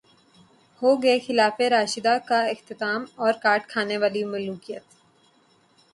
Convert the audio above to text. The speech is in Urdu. ہوگئے خلافت راشدہ کا اختتام اور کاٹ کھانے والی ملوکیت